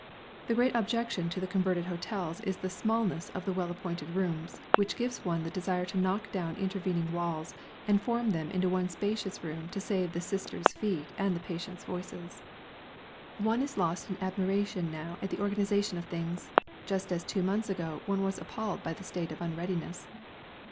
The great objection to the converted hotels is the smallness of the well appointed rooms, which gives one the desire to knock down intervening walls and form them into one spacious room to save the sisters' feet and the patients' voices! One is lost in admiration now at the organisation of things, just as two months ago one was appalled by the state of unreadiness.